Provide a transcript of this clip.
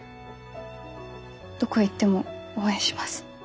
どこへ行っても応援します。